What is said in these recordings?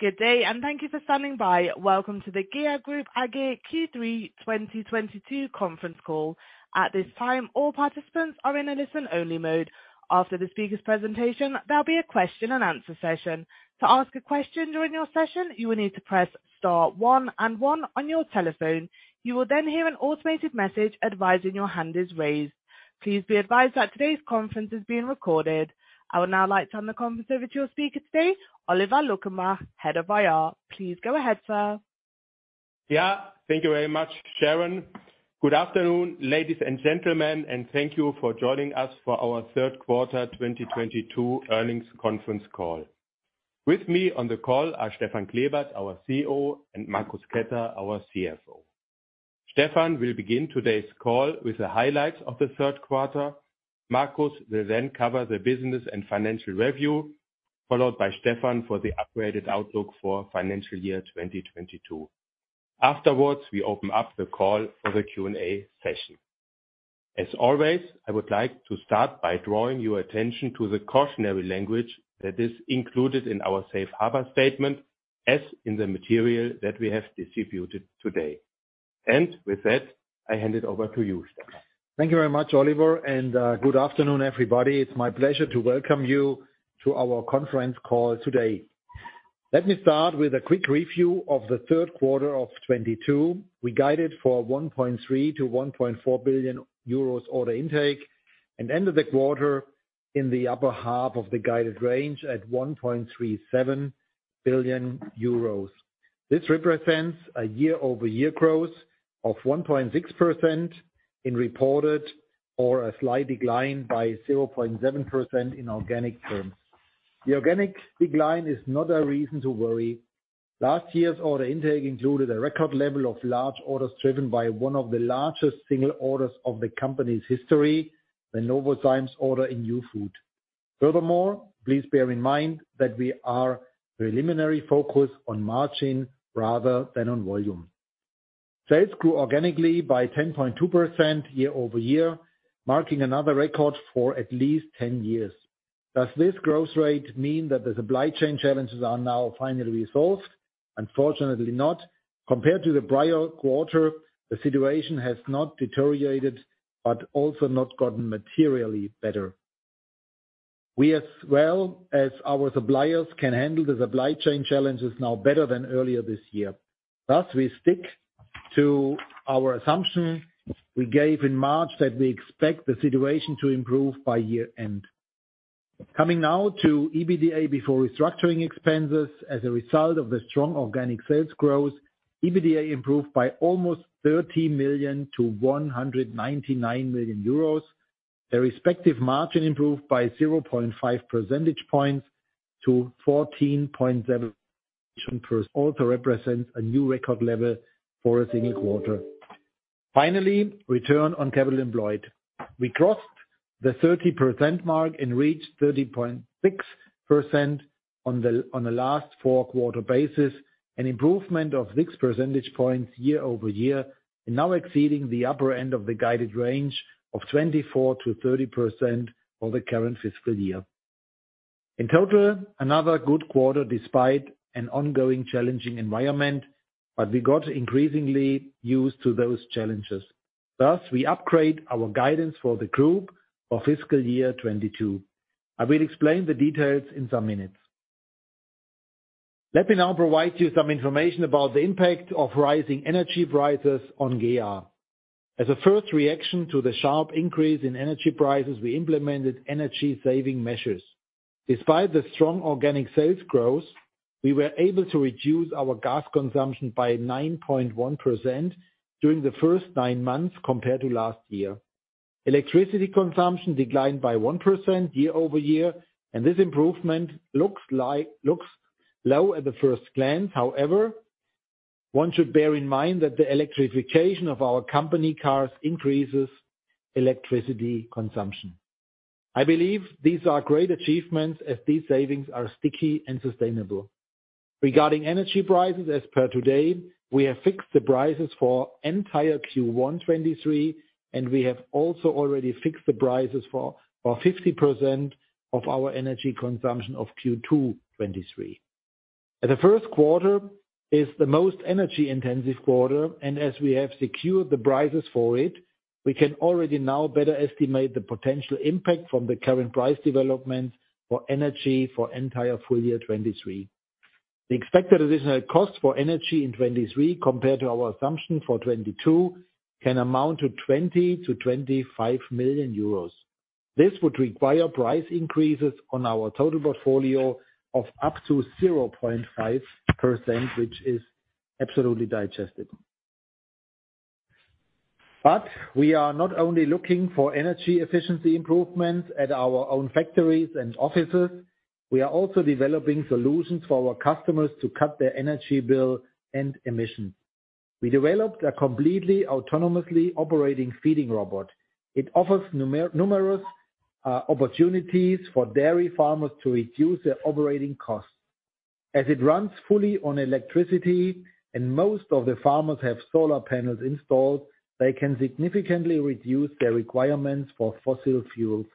Good day, and thank you for standing by. Welcome to the GEA Group AG Q3 2022 Conference Call. At this time, all participants are in a listen-only mode. After the speaker's presentation, there'll be a question and answer session. To ask a question during your session, you will need to press star one and one on your telephone. You will then hear an automated message advising your hand is raised. Please be advised that today's conference is being recorded. I would now like to turn the conference over to your speaker today, Oliver Luckenbach, Head of IR. Please go ahead, sir. Yeah, thank you very much, Sharon. Good afternoon, ladies and gentlemen, and thank you for joining us for our Third Quarter 2022 Earnings Conference Call. With me on the call are Stefan Klebert, our CEO, and Marcus Ketter, our CFO. Stefan will begin today's call with the highlights of the third quarter. Marcus will then cover the business and financial review, followed by Stefan for the upgraded outlook for financial year 2022. Afterwards, we open up the call for the Q&A session. As always, I would like to start by drawing your attention to the cautionary language that is included in our safe harbor statement, as in the material that we have distributed today. With that, I hand it over to you, Stefan. Thank you very much, Oliver. Good afternoon, everybody. It's my pleasure to welcome you to our conference call today. Let me start with a quick review of the third quarter of 2022. We guided for 1.3 billion-1.4 billion euros order intake, and ended the quarter in the upper half of the guided range at 1.37 billion euros. This represents a year-over-year growth of 1.6% in reported or a slight decline by 0.7% in organic terms. The organic decline is not a reason to worry. Last year's order intake included a record level of large orders driven by one of the largest single orders of the company's history, the Novozymes order in New Food. Furthermore, please bear in mind that we are primarily focused on margin rather than on volume. Sales grew organically by 10.2% year-over-year, marking another record for at least 10 years. Does this growth rate mean that the supply chain challenges are now finally resolved? Unfortunately not. Compared to the prior quarter, the situation has not deteriorated, but also not gotten materially better. We, as well as our suppliers, can handle the supply chain challenges now better than earlier this year. Thus, we stick to our assumption we gave in March that we expect the situation to improve by year-end. Coming now to EBITDA before restructuring expenses. As a result of the strong organic sales growth, EBITDA improved by almost 30 million to 199 million euros. The respective margin improved by 0.5 percentage points to 14.7%. Also represents a new record level for a single quarter. Finally, return on capital employed. We crossed the 30% mark and reached 30.6% on a last four quarter basis, an improvement of 6 percentage points year-over-year, and now exceeding the upper end of the guided range of 24%-30% for the current fiscal year. In total, another good quarter despite an ongoing challenging environment, but we got increasingly used to those challenges. Thus, we upgrade our guidance for the group for fiscal year 2022. I will explain the details in some minutes. Let me now provide you some information about the impact of rising energy prices on GEA. As a first reaction to the sharp increase in energy prices, we implemented energy-saving measures. Despite the strong organic sales growth, we were able to reduce our gas consumption by 9.1% during the first nine months compared to last year. Electricity consumption declined by 1% year-over-year, and this improvement looks low at first glance. However, one should bear in mind that the electrification of our company cars increases electricity consumption. I believe these are great achievements as these savings are sticky and sustainable. Regarding energy prices as per today, we have fixed the prices for entire Q1 2023, and we have also already fixed the prices for 50% of our energy consumption of Q2 2023. The first quarter is the most energy-intensive quarter, and as we have secured the prices for it, we can already now better estimate the potential impact from the current price development for energy for entire full year 2023. The expected additional cost for energy in 2023 compared to our assumption for 2022 can amount to 20 million-25 million euros. This would require price increases on our total portfolio of up to 0.5%, which is absolutely digestible. We are not only looking for energy efficiency improvements at our own factories and offices, we are also developing solutions for our customers to cut their energy bill and emission. We developed a completely autonomously operating feeding robot. It offers numerous opportunities for dairy farmers to reduce their operating costs. As it runs fully on electricity and most of the farmers have solar panels installed, they can significantly reduce their requirements for fossil fuels.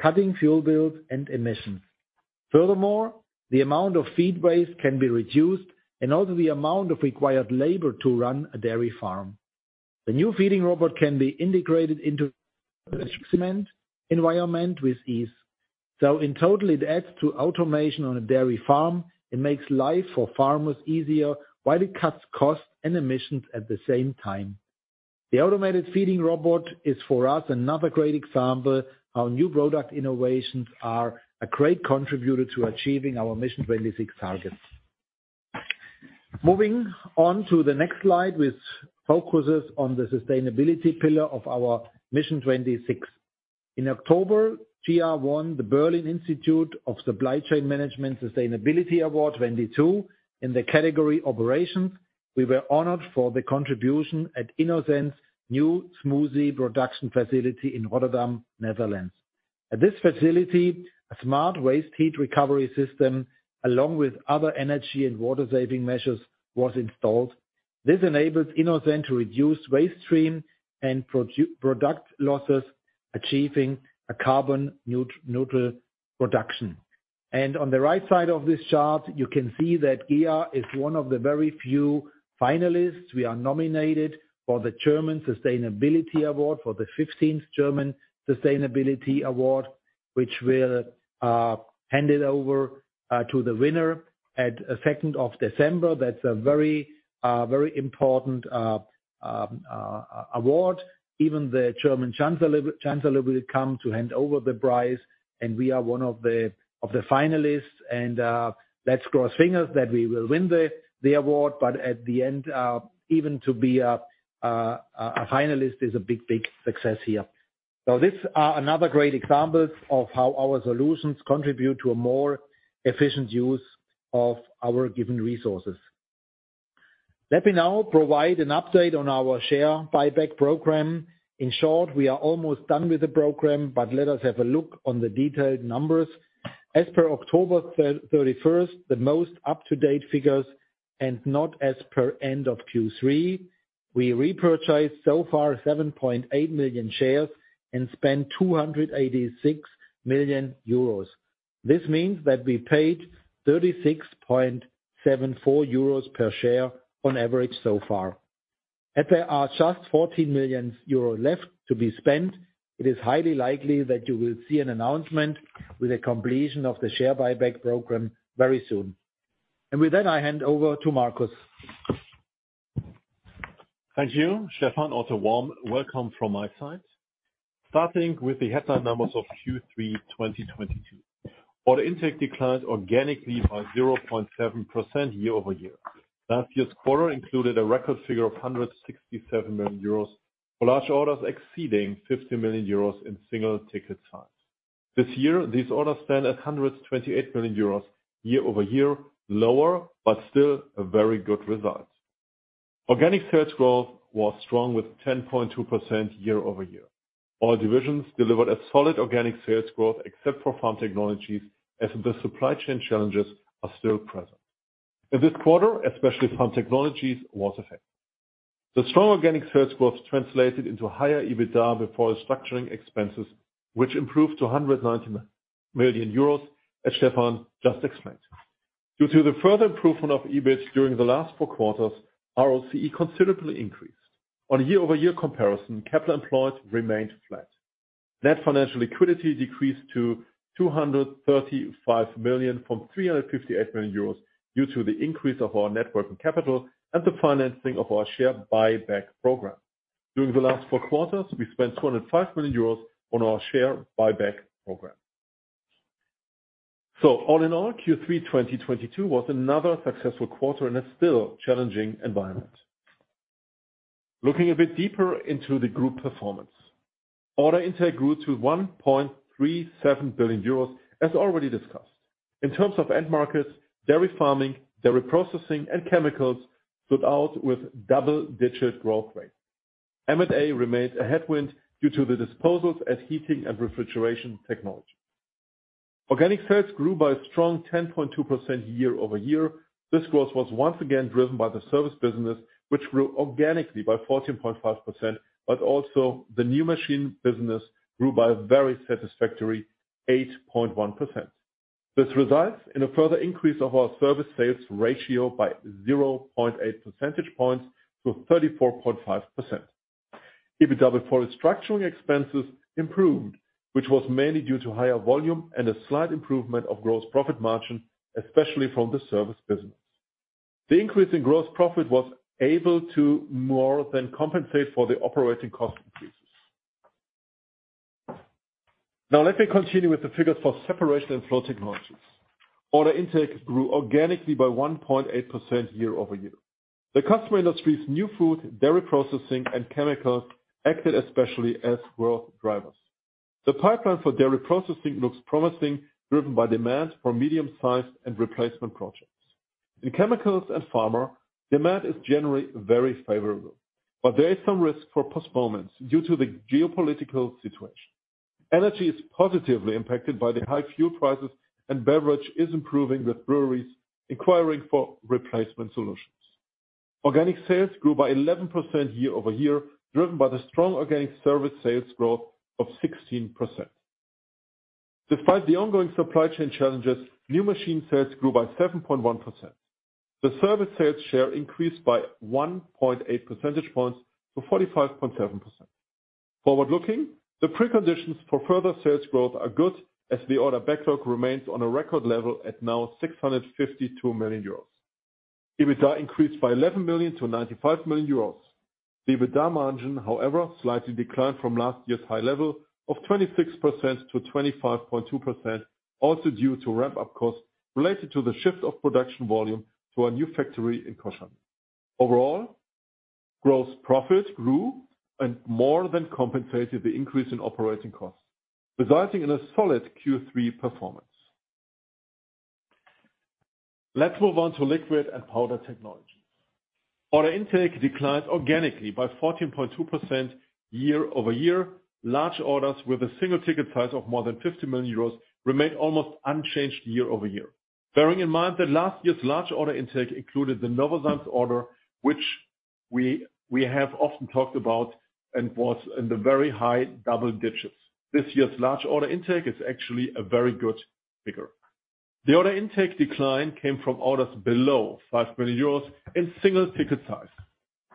Cutting fuel bills and emissions. Furthermore, the amount of feed waste can be reduced and also the amount of required labor to run a dairy farm. The new feeding robot can be integrated into environment with ease. In total, it adds to automation on a dairy farm. It makes life for farmers easier while it cuts costs and emissions at the same time. The automated feeding robot is, for us, another great example how new product innovations are a great contributor to achieving our Mission 26 targets. Moving on to the next slide, which focuses on the sustainability pillar of our Mission 26. In October, GEA won the Berlin Institute of Supply Chain Management Sustainability Award 2022. In the category Operations, we were honored for the contribution at innocent's new smoothie production facility in Rotterdam, Netherlands. At this facility, a smart waste heat recovery system, along with other energy and water-saving measures, was installed. This enables innocent to reduce waste stream and product losses, achieving a carbon neutral production. On the right side of this chart, you can see that GEA is one of the very few finalists. We are nominated for the German Sustainability Award, for the 15th German Sustainability Award, which will be handed over to the winner on the 2nd of December. That's a very important award. Even the German chancellor will come to hand over the prize, and we are one of the finalists. Let's cross fingers that we will win the award. At the end, even to be a finalist is a big success here. These are another great examples of how our solutions contribute to a more efficient use of our given resources. Let me now provide an update on our share buyback program. In short, we are almost done with the program, but let us have a look on the detailed numbers. As per October 31st, the most up-to-date figures, and not as per end of Q3, we repurchased so far 7.8 million shares and spent 286 million euros. This means that we paid 36.74 euros per share on average so far. There are just 14 million euros left to be spent. It is highly likely that you will see an announcement with a completion of the share buyback program very soon. With that, I hand over to Marcus. Thank you, Stefan. Also warm welcome from my side. Starting with the headline numbers of Q3 2022. Order intake declined organically by 0.7% year-over-year. Last year's quarter included a record figure of 167 million euros for large orders exceeding 50 million euros in single ticket size. This year, these orders stand at 128 million euros year over year, lower but still a very good result. Organic sales growth was strong with 10.2% year-over-year. All divisions delivered a solid organic sales growth, except for Farm Technologies, as the supply chain challenges are still present. In this quarter, especially Farm Technologies was affected. The strong organic sales growth translated into higher EBITDA before structuring expenses, which improved to 190 million euros, as Stefan just explained. Due to the further improvement of EBIT during the last four quarters, ROCE considerably increased. On a year-over-year comparison, capital employed remained flat. Net financial liquidity decreased to 235 million from 358 million euros due to the increase of our net working capital and the financing of our share buyback program. During the last four quarters, we spent 205 million euros on our share buyback program. All in all, Q3 2022 was another successful quarter in a still challenging environment. Looking a bit deeper into the group performance. Order intake grew to 1.37 billion euros, as already discussed. In terms of end markets, dairy farming, dairy processing, and chemicals stood out with double-digit growth rate. M&A remains a headwind due to the disposals of Heating & Refrigeration Technologies. Organic sales grew by a strong 10.2% year-over-year. This growth was once again driven by the service business, which grew organically by 14.5%, but also the new machine business grew by a very satisfactory 8.1%. This results in a further increase of our service sales ratio by 0.8 percentage points to 34.5%. EBITDA before structuring expenses improved, which was mainly due to higher volume and a slight improvement of gross profit margin, especially from the service business. The increase in gross profit was able to more than compensate for the operating cost increases. Now let me continue with the figures for Separation & Flow Technologies. Order intake grew organically by 1.8% year-over-year. The customer industries New Food, dairy processing, and chemicals acted especially as growth drivers. The pipeline for dairy processing looks promising, driven by demand for medium-sized and replacement projects. In chemicals and pharma, demand is generally very favorable, but there is some risk for postponements due to the geopolitical situation. Energy is positively impacted by the high fuel prices, and beverage is improving with breweries inquiring for replacement solutions. Organic sales grew by 11% year-over-year, driven by the strong organic service sales growth of 16%. Despite the ongoing supply chain challenges, new machine sales grew by 7.1%. The service sales share increased by 1.8 percentage points to 45.7%. Forward-looking, the preconditions for further sales growth are good, as the order backlog remains on a record level at now 652 million euros. EBITDA increased by 11 million to 95 million euros. The EBITDA margin, however, slightly declined from last year's high level of 26% to 25.2% also due to ramp-up costs related to the shift of production volume to our new factory in Koszalin. Overall, gross profit grew and more than compensated the increase in operating costs, resulting in a solid Q3 performance. Let's move on to Liquid & Powder Technologies. Order intake declined organically by 14.2% year-over-year. Large orders with a single ticket size of more than 50 million euros remained almost unchanged year-over-year. Bearing in mind that last year's large order intake included the Novozymes order, which we have often talked about and was in the very high double digits. This year's large order intake is actually a very good figure. The order intake decline came from orders below 5 million euros in single ticket size.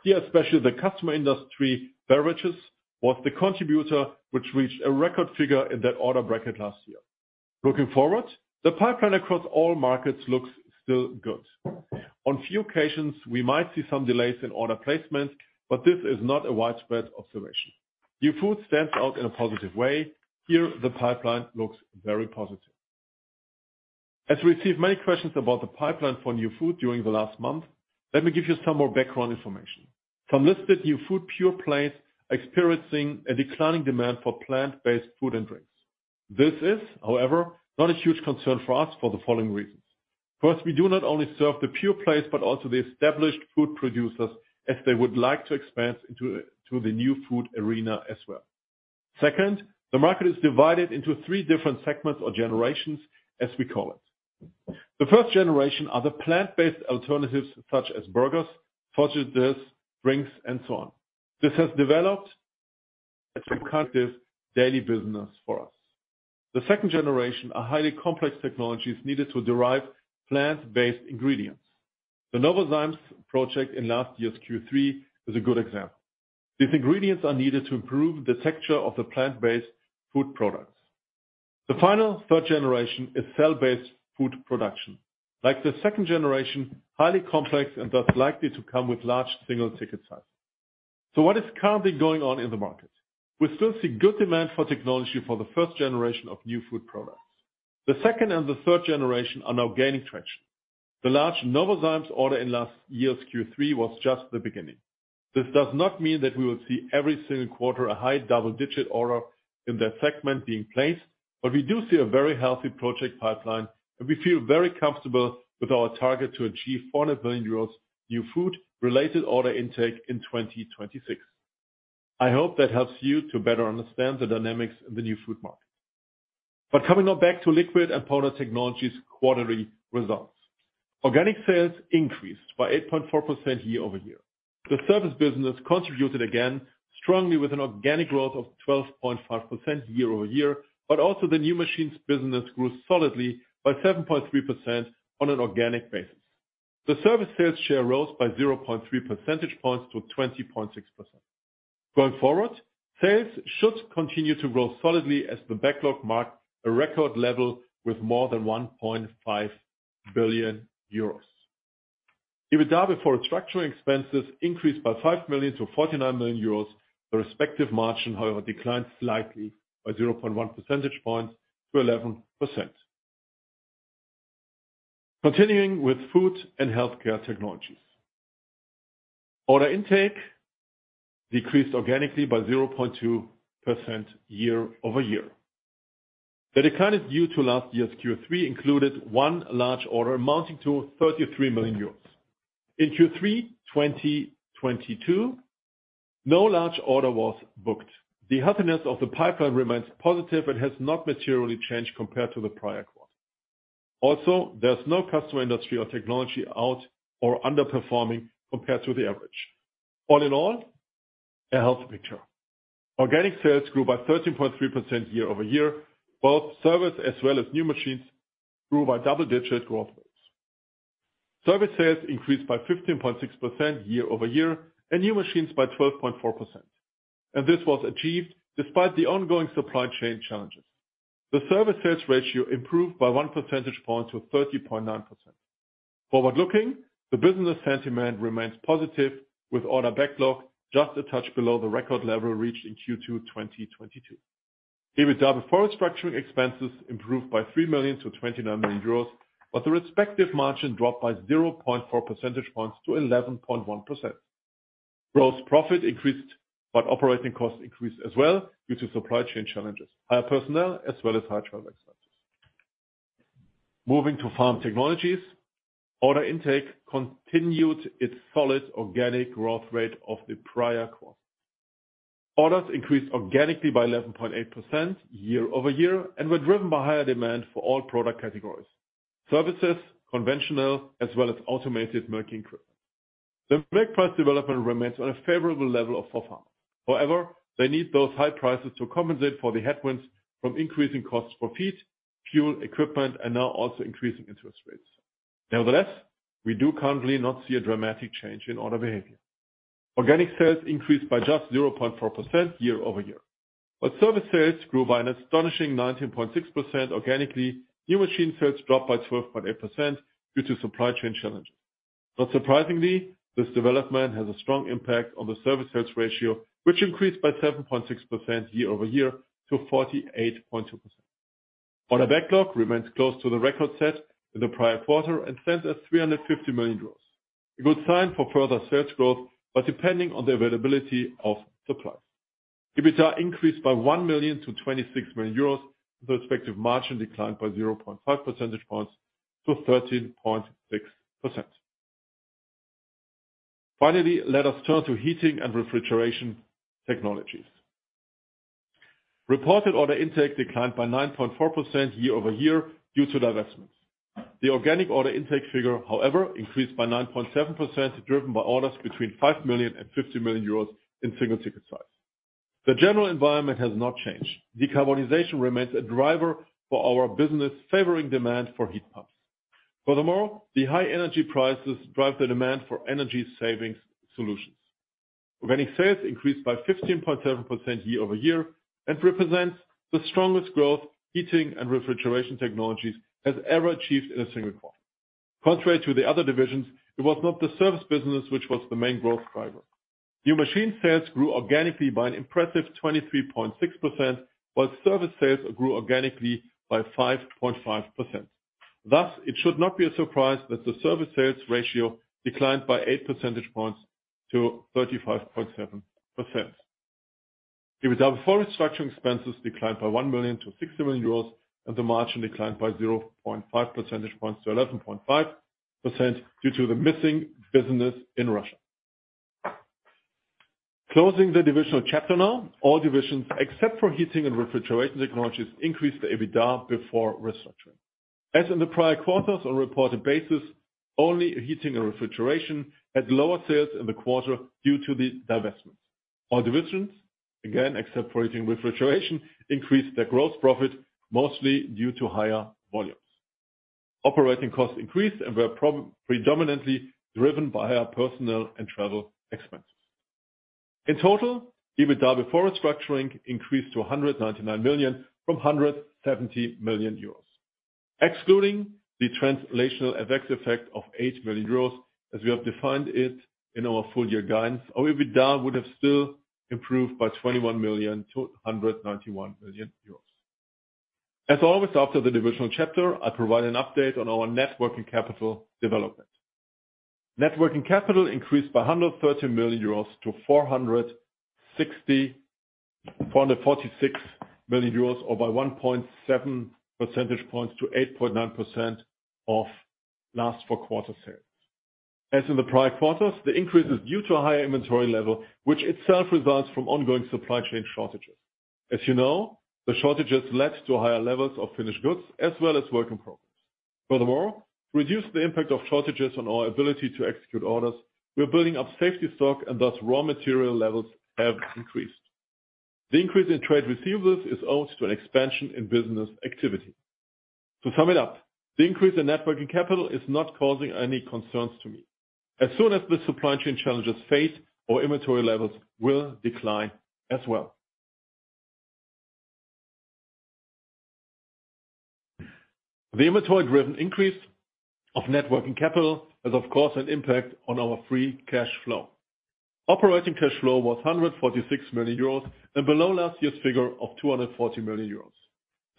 Here, especially the customer industry beverages was the contributor, which reached a record figure in that order bracket last year. Looking forward, the pipeline across all markets looks still good. On a few occasions, we might see some delays in order placement, but this is not a widespread observation. New Food stands out in a positive way. Here, the pipeline looks very positive. As we receive many questions about the pipeline for New Food during the last month, let me give you some more background information. Some listed New Food pure plays experiencing a declining demand for plant-based food and drinks. This is, however, not a huge concern for us for the following reasons. First, we do not only serve the pure plays, but also the established food producers, as they would like to expand into the New Food arena as well. Second, the market is divided into three different segments or generations, as we call it. The first generation are the plant-based alternatives such as burgers, sausages, drinks, and so on. This has developed as we cut this daily business for us. The second generation are highly complex technologies needed to derive plant-based ingredients. The Novozymes project in last year's Q3 is a good example. These ingredients are needed to improve the texture of the plant-based food products. The final, third generation is cell-based food production. Like the second generation, highly complex and thus likely to come with large single ticket size. What is currently going on in the market? We still see good demand for technology for the first generation of new food products. The second and the third generation are now gaining traction. The large Novozymes order in last year's Q3 was just the beginning. This does not mean that we will see every single quarter a high double-digit order in that segment being placed, but we do see a very healthy project pipeline, and we feel very comfortable with our target to achieve 400 million euros New Food related order intake in 2026. I hope that helps you to better understand the dynamics in the New Food market. Coming now back to Liquid & Powder Technologies quarterly results. Organic sales increased by 8.4% year-over-year. The service business contributed again strongly with an organic growth of 12.5% year-over-year, but also the new machines business grew solidly by 7.3% on an organic basis. The service sales share rose by 0.3 percentage points to 20.6%. Going forward, sales should continue to grow solidly as the backlog marked a record level with more than 1.5 billion euros. EBITDA before structuring expenses increased by 5 million to 49 million euros. The respective margin, however, declined slightly by 0.1 percentage points to 11%. Continuing with Food & Healthcare Technologies. Order intake decreased organically by 0.2% year-over-year. The decline is due to last year's Q3 included one large order amounting to 33 million euros. In Q3 2022, no large order was booked. The healthiness of the pipeline remains positive and has not materially changed compared to the prior quarter. Also, there's no customer industry or technology out or underperforming compared to the average. All in all, a healthy picture. Organic sales grew by 13.3% year-over-year. Both service as well as new machines grew by double-digit growth rates. Service sales increased by 15.6% year-over-year and new machines by 12.4%. This was achieved despite the ongoing supply chain challenges. The service sales ratio improved by 1 percentage point to 30.9%. Forward-looking, the business sentiment remains positive with order backlog just a touch below the record level reached in Q2 2022. EBITDA before structuring expenses improved by 3 million to 29 million euros, but the respective margin dropped by 0.4 percentage points to 11.1%. Gross profit increased, but operating costs increased as well due to supply chain challenges, higher personnel as well as high travel expenses. Moving to Farm Technologies. Order intake continued its solid organic growth rate of the prior quarter. Orders increased organically by 11.8% year-over-year and were driven by higher demand for all product categories, services, conventional, as well as automated milking equipment. The milk price development remains on a favorable level of EUR 400. However, they need those high prices to compensate for the headwinds from increasing costs for feed, fuel, equipment, and now also increasing interest rates. Nevertheless, we do currently not see a dramatic change in order behavior. Organic sales increased by just 0.4% year-over-year. While service sales grew by an astonishing 19.6% organically, new machine sales dropped by 12.8% due to supply chain challenges. Not surprisingly, this development has a strong impact on the service sales ratio, which increased by 7.6% year-over-year to 48.2%. Order backlog remains close to the record set in the prior quarter and stands at 350 million euros. A good sign for further sales growth, but depending on the availability of supply. EBITDA increased by 1 million to 26 million euros. The respective margin declined by 0.5 percentage points to 13.6%. Finally, let us turn to Heating & Refrigeration Technologies. Reported order intake declined by 9.4% year-over-year due to divestments. The organic order intake figure, however, increased by 9.7%, driven by orders between 5 million and 50 million euros in single sector size. The general environment has not changed. Decarbonization remains a driver for our business, favoring demand for heat pumps. Furthermore, the high energy prices drive the demand for energy savings solutions. Organic sales increased by 15.7% year-over-year and represents the strongest growth Heating & Refrigeration Technologies has ever achieved in a single quarter. Contrary to the other divisions, it was not the service business which was the main growth driver. New machine sales grew organically by an impressive 23.6%, while service sales grew organically by 5.5%. Thus, it should not be a surprise that the service sales ratio declined by 8 percentage points to 35.7%. EBITDA before restructuring expenses declined by 1 million to 6 million euros and the margin declined by 0.5 percentage points to 11.5% due to the missing business in Russia. Closing the divisional chapter now, all divisions except for Heating & Refrigeration Technologies increased the EBITDA before restructuring. As in the prior quarters on a reported basis, only Heating & Refrigeration had lower sales in the quarter due to the divestments. All divisions, again except for Heating & Refrigeration, increased their gross profit, mostly due to higher volumes. Operating costs increased and were predominantly driven by our personnel and travel expenses. In total, EBITDA before restructuring increased to 199 million from 170 million euros. Excluding the translational FX effect of 8 million euros, as we have defined it in our full year guidance, our EBITDA would have still improved by 21 million to 191 million euros. As always, after the divisional chapter, I provide an update on our net working capital development. Net working capital increased by 113 million euros to 446 million euros or by 1.7 percentage points to 8.9% of last four quarters sales. As in the prior quarters, the increase is due to a higher inventory level, which itself results from ongoing supply chain shortages. As you know, the shortages led to higher levels of finished goods as well as work in progress. Furthermore, to reduce the impact of shortages on our ability to execute orders, we are building up safety stock, and thus, raw material levels have increased. The increase in trade receivables is owed to an expansion in business activity. To sum it up, the increase in net working capital is not causing any concerns to me. As soon as the supply chain challenges fade, our inventory levels will decline as well. The inventory driven increase of net working capital has, of course, an impact on our free cash flow. Operating cash flow was 146 million euros and below last year's figure of 240 million euros.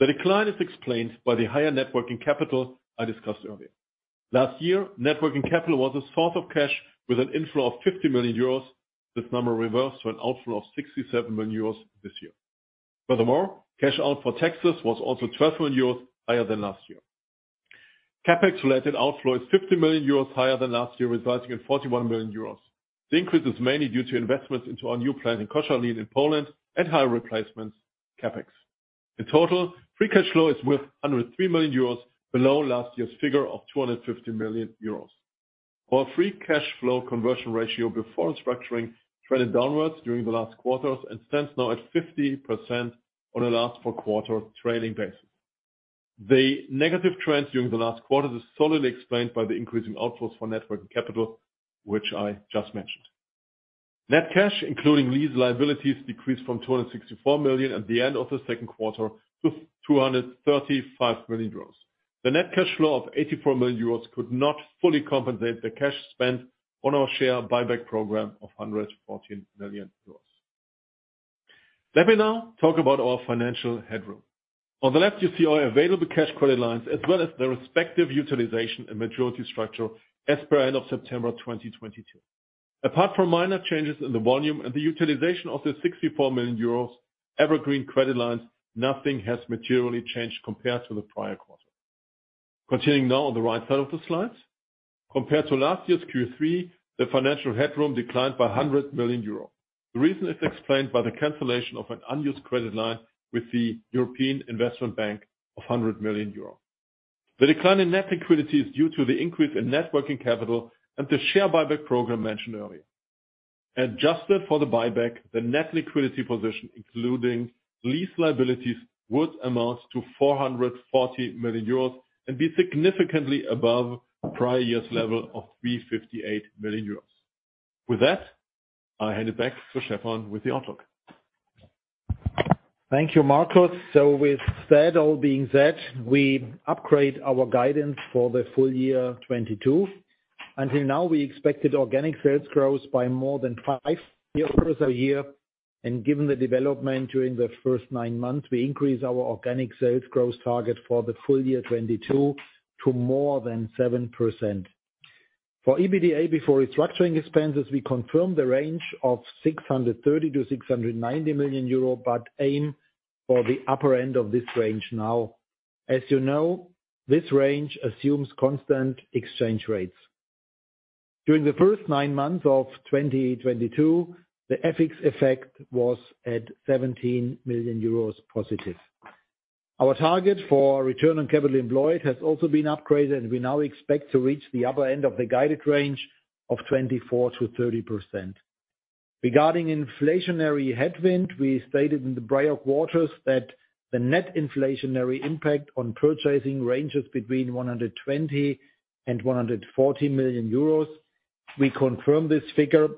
The decline is explained by the higher net working capital I discussed earlier. Last year, net working capital was a source of cash with an inflow of 50 million euros. This number reversed to an outflow of 67 million euros this year. Furthermore, cash out for taxes was also 12 million euros higher than last year. CapEx-related outflow is 50 million euros higher than last year, resulting in 41 million euros. The increase is mainly due to investments into our new plant in Koszalin in Poland and higher replacements CapEx. In total, free cash flow is worth 103 million euros, below last year's figure of 250 million euros. Our free cash flow conversion ratio before restructuring traded downwards during the last quarters and stands now at 50% on a last four-quarter trailing basis. The negative trends during the last quarter is solidly explained by the increasing outflows for net working capital, which I just mentioned. Net cash, including these liabilities, decreased from 264 million at the end of the second quarter to 235 million euros. The net cash flow of 84 million euros could not fully compensate the cash spent on our share buyback program of 114 million euros. Let me now talk about our financial headroom. On the left, you see our available cash credit lines as well as their respective utilization and maturity structure as per end of September 2022. Apart from minor changes in the volume and the utilization of the 64 million euros evergreen credit lines, nothing has materially changed compared to the prior quarter. Continuing now on the right side of the slide. Compared to last year's Q3, the financial headroom declined by 100 million euros. The reason is explained by the cancellation of an unused credit line with the European Investment Bank of 100 million euro. The decline in net liquidity is due to the increase in net working capital and the share buyback program mentioned earlier. Adjusted for the buyback, the net liquidity position, including lease liabilities, would amount to 440 million euros and be significantly above prior year's level of 358 million euros. With that, I hand it back to Stefan with the outlook. Thank you, Marcus. With that all being said, we upgrade our guidance for the full year 2022. Until now, we expected organic sales growth by more than 5% year-over-year, and given the development during the first nine months, we increase our organic sales growth target for the full year 2022 to more than 7%. For EBITDA before restructuring expenses, we confirm the range of 630 million-690 million euro, but aim for the upper end of this range now. As you know, this range assumes constant exchange rates. During the first nine months of 2022, the FX effect was at 17 million euros positive. Our target for return on capital employed has also been upgraded, and we now expect to reach the upper end of the guided range of 24%-30%. Regarding inflationary headwind, we stated in the prior quarters that the net inflationary impact on purchasing ranges between 120 million and 140 million euros. We confirm this figure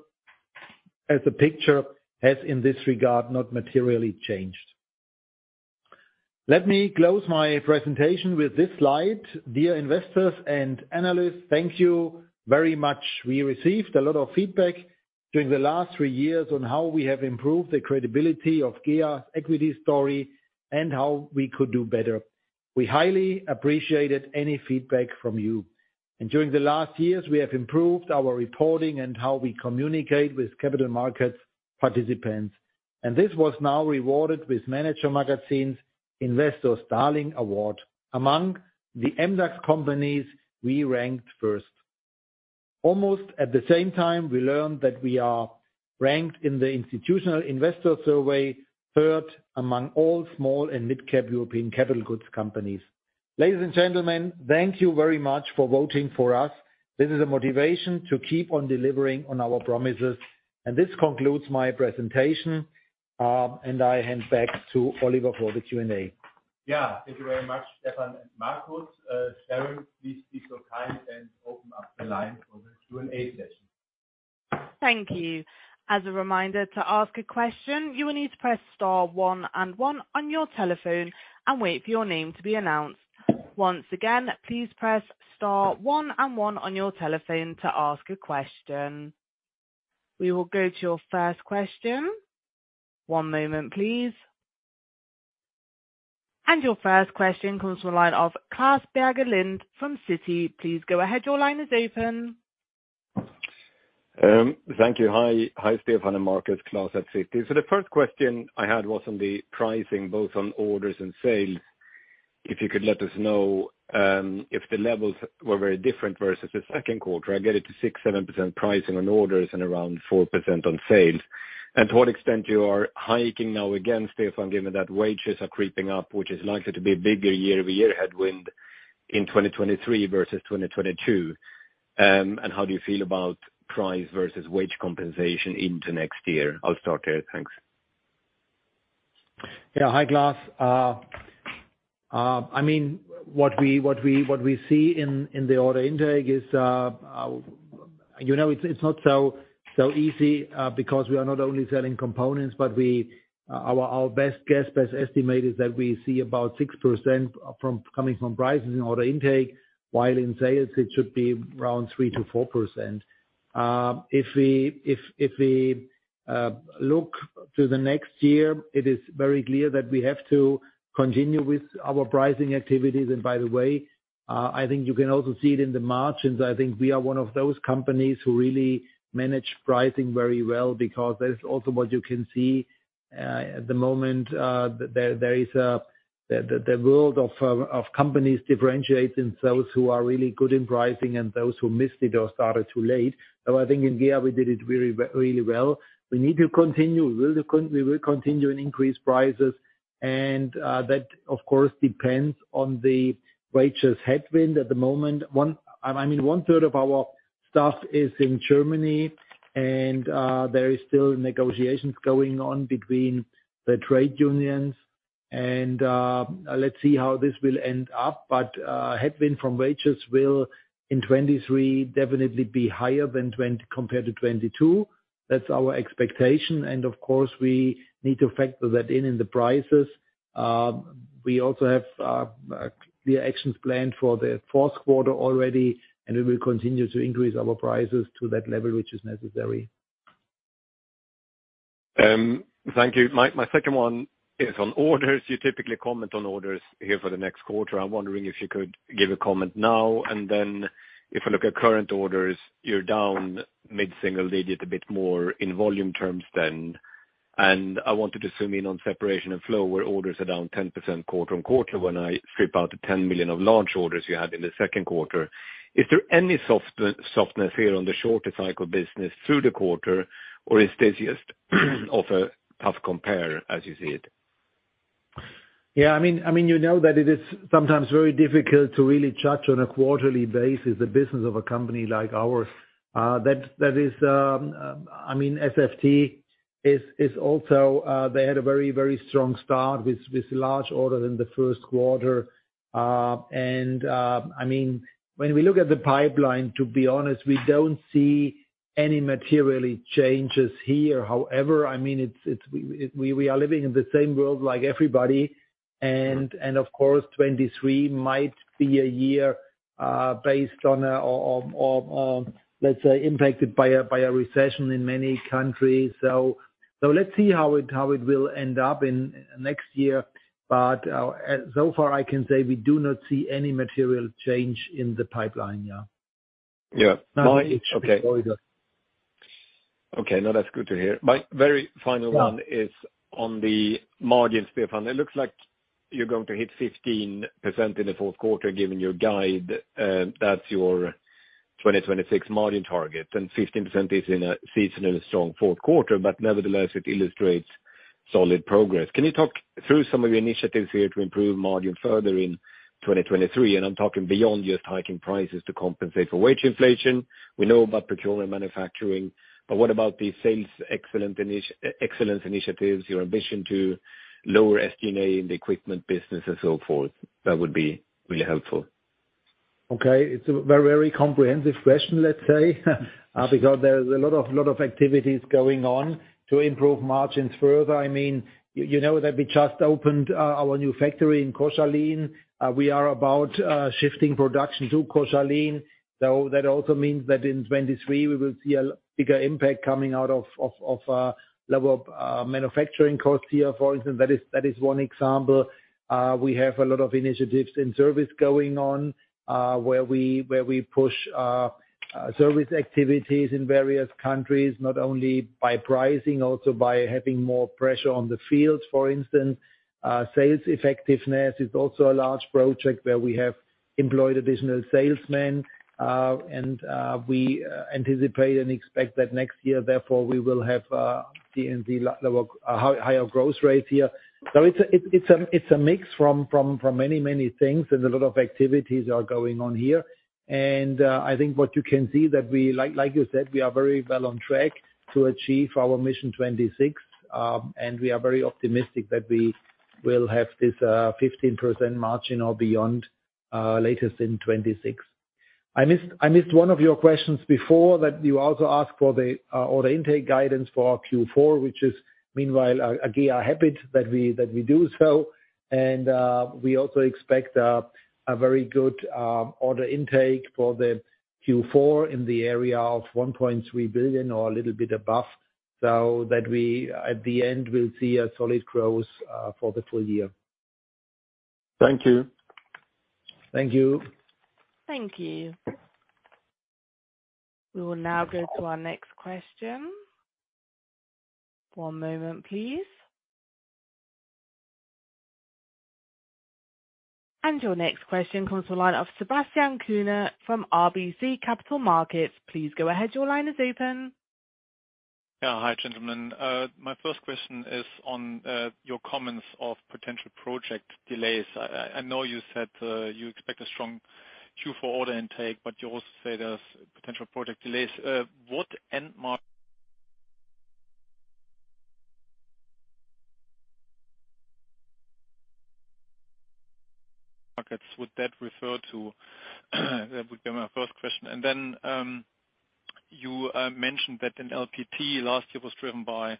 as the picture has, in this regard, not materially changed. Let me close my presentation with this slide. Dear investors and analysts, thank you very much. We received a lot of feedback during the last three years on how we have improved the credibility of GEA's equity story and how we could do better. We highly appreciated any feedback from you. During the last years, we have improved our reporting and how we communicate with capital markets participants. This was now rewarded with manager magazin’s Investors' Darling Award. Among the MDAX companies, we ranked first. Almost at the same time, we learned that we are ranked in the Institutional Investor Survey, third among all small and mid-cap European capital goods companies. Ladies and gentlemen, thank you very much for voting for us. This is a motivation to keep on delivering on our promises. This concludes my presentation, and I hand back to Oliver for the Q&A. Yeah. Thank you very much, Stefan and Marcus. Sharon, please be so kind and open up the line for the Q&A session. Thank you. As a reminder, to ask a question, you will need to press star one and one on your telephone and wait for your name to be announced. Once again, please press star one and one on your telephone to ask a question. We will go to your first question. One moment, please. Your first question comes from the line of Klas Bergelind from Citi. Please go ahead. Your line is open. Thank you. Hi. Hi, Stefan and Marcus. Klas at Citi. The first question I had was on the pricing, both on orders and sales. If you could let us know if the levels were very different versus the second quarter. I get it to 6%-7% pricing on orders and around 4% on sales. To what extent you are hiking now again, Stefan, given that wages are creeping up, which is likely to be a bigger year-over-year headwind in 2023 versus 2022. How do you feel about price versus wage compensation into next year? I'll start there. Thanks. Yeah. Hi, Klas. I mean, what we see in the order intake is, you know, it's not so easy because we are not only selling components, but our best guess, best estimate is that we see about 6% coming from prices in order intake, while in sales it should be around 3%-4%. If we look to the next year, it is very clear that we have to continue with our pricing activities. By the way, I think you can also see it in the margins. I think we are one of those companies who really manage pricing very well because that is also what you can see at the moment. There is the world of companies differentiating those who are really good in pricing and those who missed it or started too late. I think in GEA, we did it really, really well. We need to continue. We will continue and increase prices, and that of course depends on the wages headwind at the moment. I mean, 1/3 of our staff is in Germany and there is still negotiations going on between the trade unions and let's see how this will end up. Headwind from wages will in 2023 definitely be higher compared to 2022. That's our expectation, and of course, we need to factor that in the prices. We also have clear actions planned for the fourth quarter already, and we will continue to increase our prices to that level which is necessary. Thank you. My second one is on orders. You typically comment on orders here for the next quarter. I'm wondering if you could give a comment now and then if I look at current orders, you're down mid-single digit a bit more in volume terms than I wanted to zoom in on Separation & Flow where orders are down 10% quarter-on-quarter when I strip out the 10 million of large orders you had in the second quarter. Is there any softness here on the shorter cycle business through the quarter or is this just a tough compare as you see it? Yeah, I mean, you know that it is sometimes very difficult to really judge on a quarterly basis the business of a company like ours. That is, I mean, SFT is also. They had a very strong start with large orders in the first quarter. I mean, when we look at the pipeline to be honest, we don't see any material changes here. However, I mean, it's, we are living in the same world like everybody and of course, 2023 might be a year based on, let's say, impacted by a recession in many countries. Let's see how it will end up in next year. So far I can say we do not see any material change in the pipeline, yeah. Okay, no, that's good to hear. My very final one is on the margins front. It looks like you're going to hit 15% in the fourth quarter, given your guide, that's your 2026 margin target. 15% is in a seasonally strong fourth quarter, but nevertheless it illustrates solid progress. Can you talk through some of your initiatives here to improve margin further in 2023? I'm talking beyond just hiking prices to compensate for wage inflation. We know about petroleum manufacturing, but what about the sales excellence initiatives, your ambition to lower SG&A in the equipment business and so forth? That would be really helpful. Okay. It's a very comprehensive question, let's say, because there's a lot of activities going on to improve margins further. I mean, you know that we just opened our new factory in Koszalin. We are about shifting production to Koszalin. That also means that in 2023 we will see a bigger impact coming out of level of manufacturing costs here, for instance. That is one example. We have a lot of initiatives in service going on, where we push service activities in various countries, not only by pricing, also by having more pressure on the fields, for instance. Sales effectiveness is also a large project where we have employed additional salesmen, and we anticipate and expect that next year, therefore, we will have higher growth rates here. It's a mix from many things, and a lot of activities are going on here. I think what you can see, like you said, we are very well on track to achieve our Mission 2026. We are very optimistic that we will have this 15% margin or beyond, latest in 2026. I missed one of your questions before that you also asked for the order intake guidance for our Q4, which is meanwhile again, a habit that we do so. We also expect a very good order intake for the Q4 in the area of 1.3 billion or a little bit above, so that we at the end will see a solid growth for the full year. Thank you. Thank you. Thank you. We will now go to our next question. One moment please. Your next question comes to the line of Sebastian Kuenne from RBC Capital Markets. Please go ahead. Your line is open. Yeah. Hi, gentlemen. My first question is on your comments of potential project delays. I know you said you expect a strong Q4 order intake, but you also say there's potential project delays. What end markets would that refer to? That would be my first question. You mentioned that in LPT last year was driven by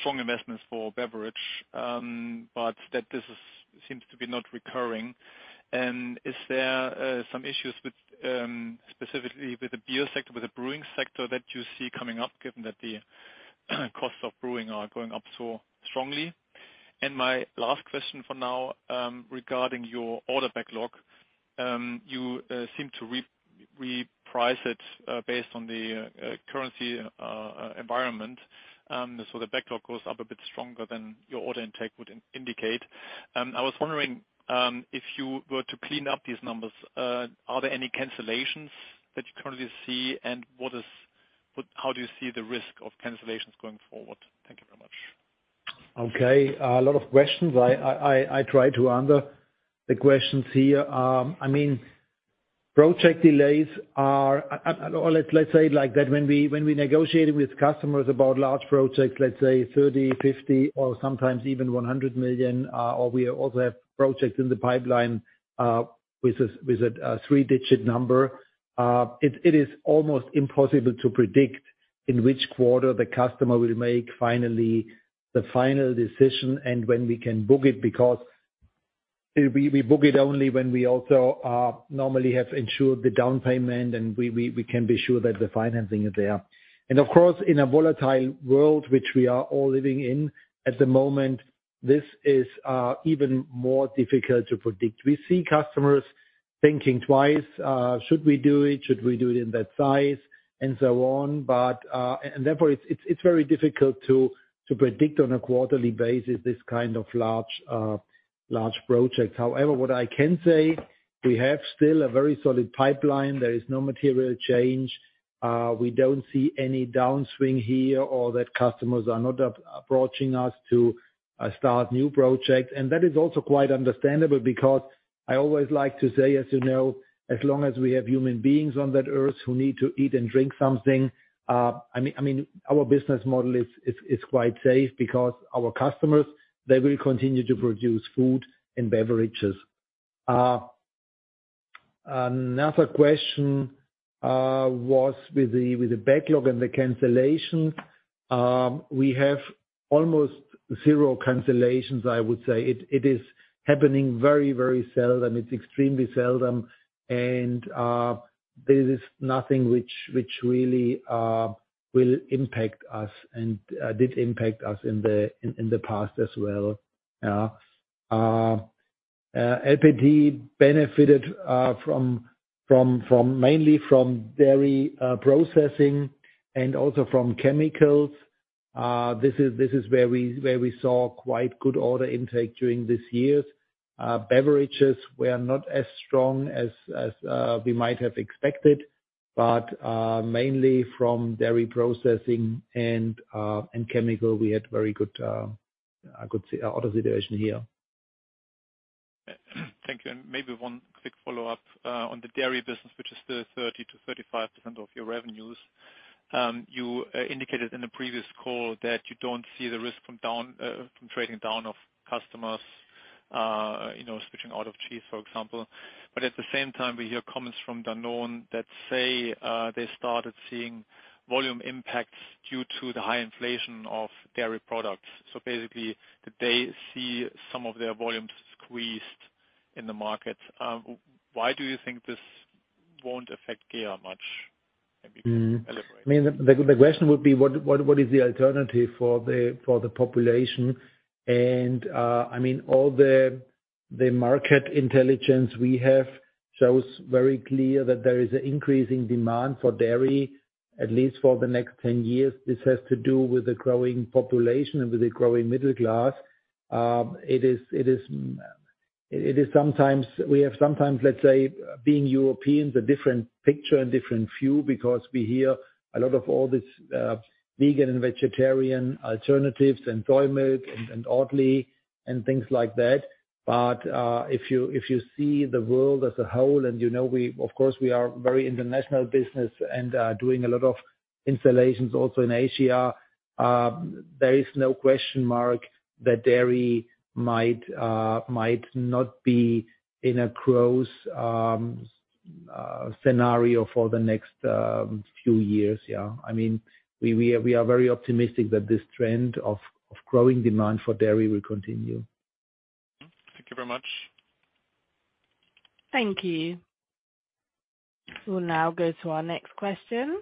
strong investments for beverage, but that this seems to be not recurring. Is there some issues with specifically with the beer sector, with the brewing sector that you see coming up, given that the costs of brewing are going up so strongly? My last question for now regarding your order backlog, you seem to reprice it based on the currency environment. The backlog goes up a bit stronger than your order intake would indicate. I was wondering, if you were to clean up these numbers, are there any cancellations that you currently see? How do you see the risk of cancellations going forward? Thank you very much. Okay. A lot of questions. I try to answer the questions here. I mean, project delays are, let's say it like that. When we negotiated with customers about large projects, let's say 30 million, 50 million or sometimes even 100 million, or we also have projects in the pipeline with a three-digit number, it is almost impossible to predict in which quarter the customer will make finally the final decision and when we can book it, because we book it only when we also normally have ensured the down payment and we can be sure that the financing is there. Of course, in a volatile world, which we are all living in at the moment, this is even more difficult to predict. We see customers thinking twice, should we do it? Should we do it in that size? And so on. Therefore, it's very difficult to predict on a quarterly basis, this kind of large project. However, what I can say, we have still a very solid pipeline. There is no material change. We don't see any downswing here or that customers are not approaching us to start new projects. That is also quite understandable because I always like to say, as you know, as long as we have human beings on that Earth who need to eat and drink something, I mean, our business model is quite safe because our customers, they will continue to produce food and beverages. Another question was with the backlog and the cancellation. We have almost zero cancellations, I would say. It is happening very, very seldom. It's extremely seldom. There is nothing which really will impact us and did impact us in the past as well. LPT benefited mainly from dairy processing and also from chemicals. This is where we saw quite good order intake during this year. Beverages were not as strong as we might have expected, but mainly from dairy processing and chemicals, we had a very good order situation here. Thank you. Maybe one quick follow-up on the dairy business, which is still 30%-35% of your revenues. You indicated in the previous call that you don't see the risk from trading down of customers, you know, switching out of cheese, for example. But at the same time, we hear comments from Danone that say they started seeing volume impacts due to the high inflation of dairy products. Basically, that they see some of their volumes squeezed in the market. Why do you think this won't affect GEA much? Maybe you can elaborate. I mean, the question would be, what is the alternative for the population? I mean, all the market intelligence we have shows very clear that there is an increasing demand for dairy, at least for the next 10 years. This has to do with the growing population and with the growing middle class. We have sometimes, let's say, being European, the different picture and different view because we hear a lot of all this vegan and vegetarian alternatives and soy milk and Oatly and things like that. If you see the world as a whole, and you know, of course, we are very international business and doing a lot of installations also in Asia, there is no question that dairy might not be in a growth scenario for the next few years. Yeah. I mean, we are very optimistic that this trend of growing demand for dairy will continue. Thank you very much. Thank you. We'll now go to our next question.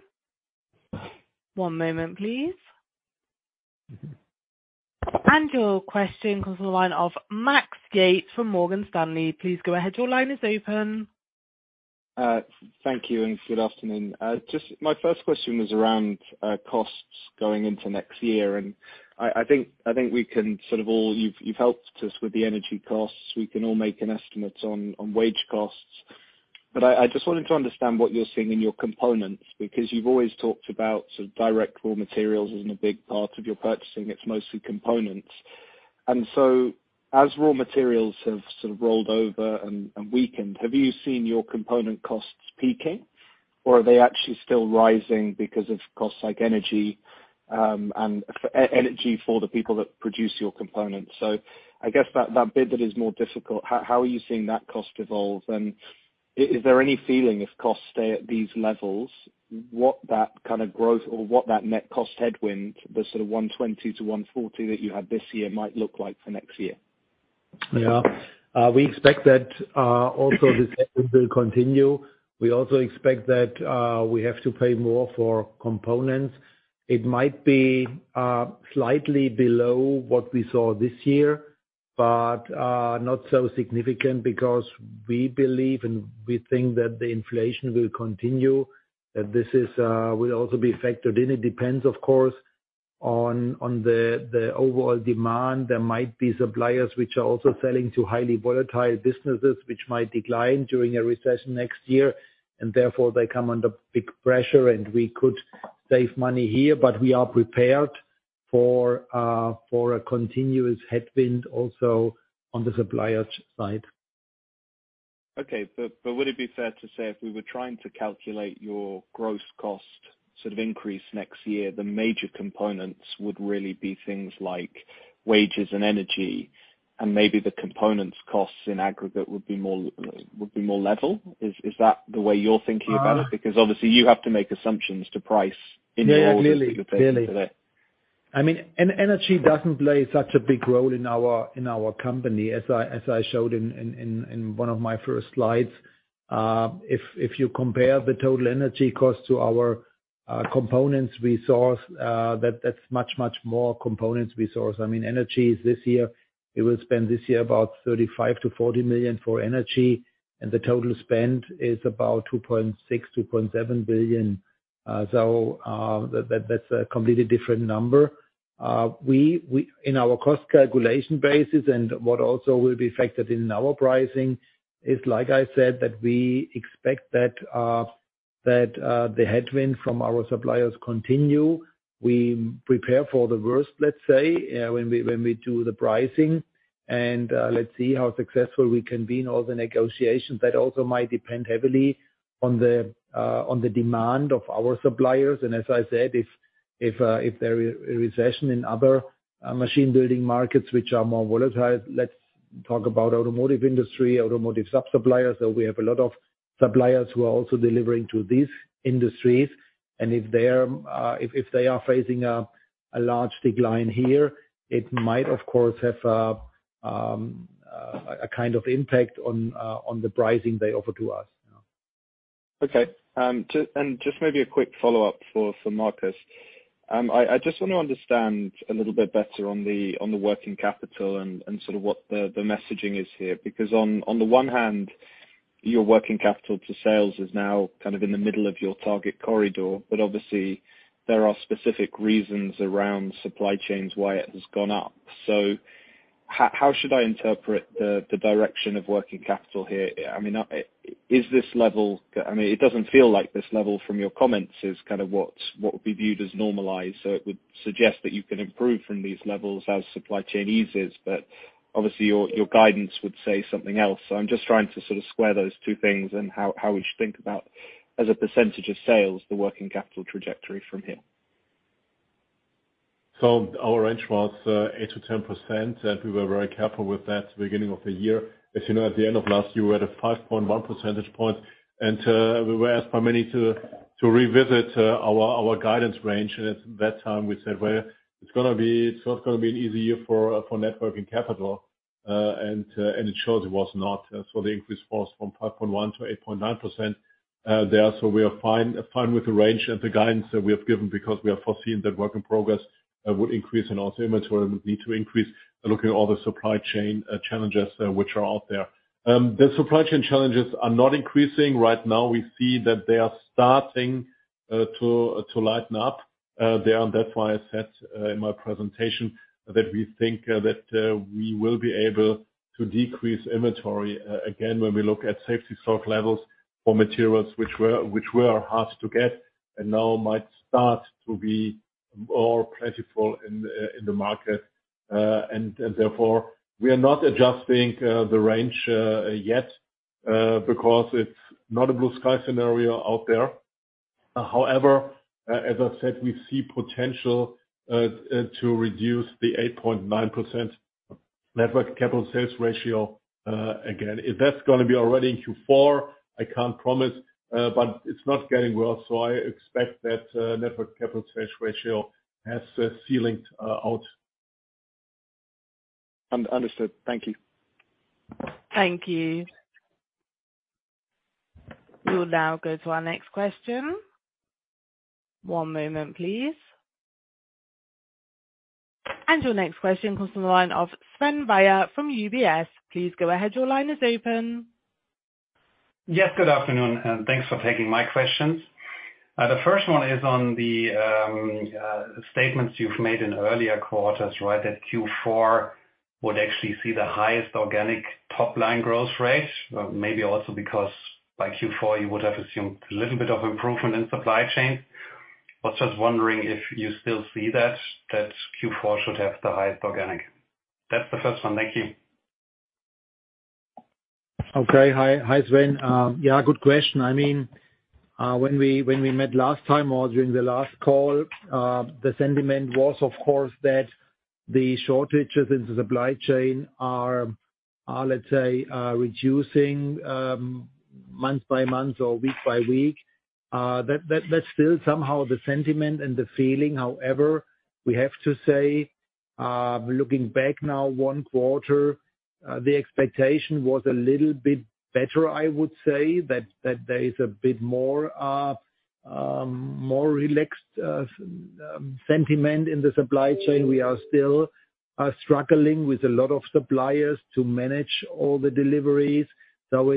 One moment, please. Your question comes from the line of Max Yates from Morgan Stanley. Please go ahead. Your line is open. Thank you and good afternoon. Just my first question was around costs going into next year. You've helped us with the energy costs. We can all make an estimate on wage costs. I just wanted to understand what you're seeing in your components, because you've always talked about sort of direct raw materials as in a big part of your purchasing, it's mostly components. As raw materials have sort of rolled over and weakened, have you seen your component costs peaking or are they actually still rising because of costs like energy and energy for the people that produce your components? I guess that bit that is more difficult. How are you seeing that cost evolve? Is there any feeling if costs stay at these levels, what that kind of growth or what that net cost headwind, the sort of 120-140 that you had this year might look like for next year? Yeah. We expect that also this headwind will continue. We also expect that we have to pay more for components. It might be slightly below what we saw this year, but not so significant because we believe and we think that the inflation will continue, that this is will also be factored in. It depends, of course, on the overall demand. There might be suppliers which are also selling to highly volatile businesses, which might decline during a recession next year, and therefore they come under big pressure and we could save money here. We are prepared for a continuous headwind also on the suppliers' side. Would it be fair to say if we were trying to calculate your growth cost sort of increase next year, the major components would really be things like wages and energy, and maybe the components costs in aggregate would be more level? Is that the way you're thinking about it? Um- Because obviously you have to make assumptions to price in your orders that you're placing today. Yeah. Clearly. I mean, energy doesn't play such a big role in our company, as I showed in one of my first slides. If you compare the total energy cost to our components we source, that's much more components we source. I mean, energy is this year. We will spend this year about 35 million-40 million for energy, and the total spend is about 2.6 billion-2.7 billion. So that's a completely different number. In our cost calculation basis and what also will be factored in our pricing is, like I said, that we expect that the headwind from our suppliers continue. We prepare for the worst, let's say, when we do the pricing, and let's see how successful we can be in all the negotiations. That also might depend heavily on the demand of our suppliers. As I said, if there is a recession in other machine building markets which are more volatile. Let's talk about automotive industry, automotive suppliers. We have a lot of suppliers who are also delivering to these industries, and if they are facing a large decline here, it might, of course, have a kind of impact on the pricing they offer to us, yeah. Okay. Just maybe a quick follow-up for Marcus. I just want to understand a little bit better on the working capital and sort of what the messaging is here. Because on the one hand, your working capital to sales is now kind of in the middle of your target corridor. Obviously there are specific reasons around supply chains why it has gone up. How should I interpret the direction of working capital here? I mean, is this level? I mean, it doesn't feel like this level from your comments is kind of what would be viewed as normalized. It would suggest that you can improve from these levels as supply chain eases. Obviously your guidance would say something else. I'm just trying to sort of square those two things and how we should think about, as a percentage of sales, the working capital trajectory from here. Our range was 8%-10%, and we were very careful with that at the beginning of the year. As you know, at the end of last year, we had a 5.1 percentage point, and we were asked by many to revisit our guidance range. At that time we said, "Well, it's gonna be, it's not gonna be an easy year for net working capital." It shows it was not. The increase was from 5.1% to 8.9% there. We are fine with the range and the guidance that we have given because we have foreseen that work in progress would increase and also inventory would need to increase looking at all the supply chain challenges which are out there. The supply chain challenges are not increasing right now. We see that they are starting to lighten up there. That's why I said in my presentation that we think that we will be able to decrease inventory again, when we look at safety stock levels for materials which were hard to get and now might start to be more plentiful in the market. Therefore, we are not adjusting the range yet because it's not a blue sky scenario out there. However, as I said, we see potential to reduce the 8.9% net working capital sales ratio again. If that's gonna be already in Q4, I can't promise, but it's not going well, so I expect that net working capital sales ratio has a ceiling out. Understood. Thank you. Thank you. We will now go to our next question. One moment, please. Your next question comes from the line of Sven Weier from UBS. Please go ahead. Your line is open. Yes, good afternoon, and thanks for taking my questions. The first one is on the statements you've made in earlier quarters, right? That Q4 would actually see the highest organic top-line growth rate. Maybe also because by Q4 you would have assumed a little bit of improvement in supply chain. I was just wondering if you still see that Q4 should have the highest organic. That's the first one. Thank you. Okay. Hi, Sven. Yeah, good question. I mean, when we met last time or during the last call, the sentiment was, of course, that the shortages in the supply chain are, let's say, reducing month by month or week by week. That's still somehow the sentiment and the feeling. However, we have to say, looking back now one quarter, the expectation was a little bit better, I would say. That there is a bit more relaxed sentiment in the supply chain. We are still struggling with a lot of suppliers to manage all the deliveries. So